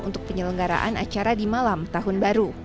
untuk penyelenggaraan acara di malam tahun baru